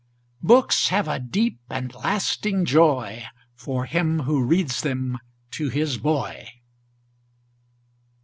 Books have a deep and lasting joy For him who reads them to his boy.